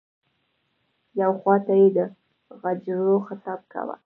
یوې خواته یې د غجرو خطاب کاوه.